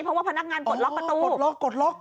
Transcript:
เพราะว่าพนักงานกดล็อกประตูกดล็อกกดล็อก